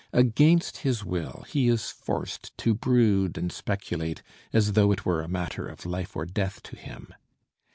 Against his will he is forced to brood and speculate as though it were a matter of life or death to him.